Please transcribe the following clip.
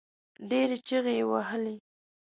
ډېرې چيغې يې وهلې.